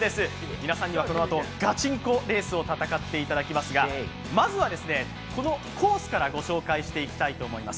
皆さんにはこのあとガチンコレース対決を戦っていただきますが、まずはこのコースからご紹介していきたいと思います。